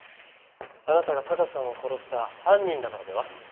あなたがタカさんを殺した犯人だからでは？